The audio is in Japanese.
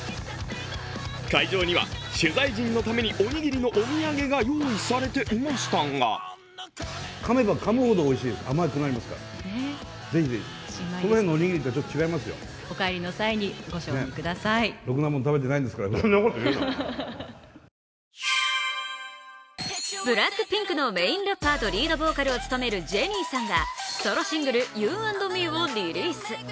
会場には取材陣のためにおにぎりのお土産が用意されていましたがＢＬＡＣＫＰＩＮＫのメインラッパーとリードボーカルを務めるＪＥＮＮＩＥさんが、ソロシングル「Ｙｏｕ＆Ｍｅ」をリリース。